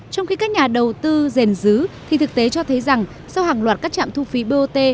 trong khi các nhà đầu tư rèn dứ thì thực tế cho thấy rằng sau hàng loạt các trạm thu phí bot